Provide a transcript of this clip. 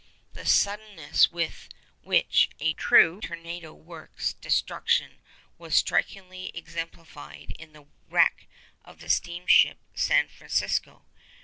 The suddenness with which a true tornado works destruction was strikingly exemplified in the wreck of the steamship 'San Francisco.